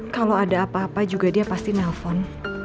kalau ada apa apa juga dia pasti nelfon